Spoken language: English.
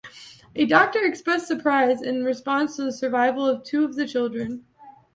A doctor expressed surprise in response to the survival of two of the children.